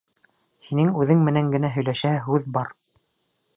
Һинең үҙең менән генә һөйләшәһе һүҙ бар.